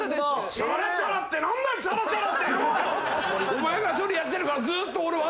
お前がそれやってるからずーっと俺は。